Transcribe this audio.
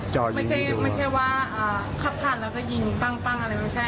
ไม่ใช่ไม่ใช่ว่าขับผ่านแล้วก็ยิงปั้งปั้งอะไรไม่ใช่